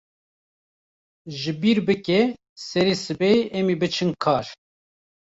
Ji bîr bike, serê sibehê em ê biçin kar.